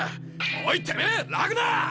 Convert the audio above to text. おいてめぇラグナ！